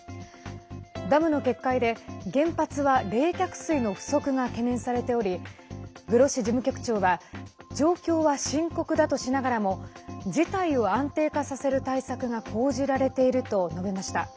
ダムの決壊で原発は冷却水の不足が懸念されておりグロッシ事務局長は状況は深刻だとしながらも事態を安定化させる対策が講じられていると述べました。